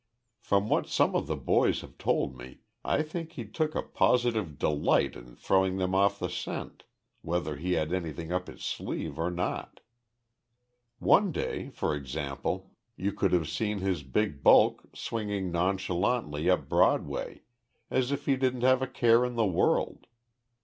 From what some of the boys have told me, I think he took a positive delight in throwing them off the scent, whether he had anything up his sleeve or not. One day, for example, you could have seen his big bulk swinging nonchalantly up Broadway, as if he didn't have a care in the world.